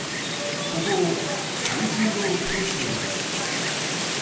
ここを最重要区としています。